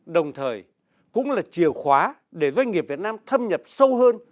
đồng thời cũng là chìa khóa để doanh nghiệp việt nam thâm nhập sâu hơn